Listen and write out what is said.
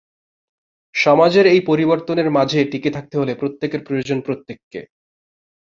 সমাজের এই পরিবর্তনের মাঝে টিকে থাকতে হলে প্রত্যেকের প্রয়োজন প্রত্যেককে।